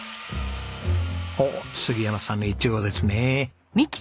おっ杉山さんのイチゴですね。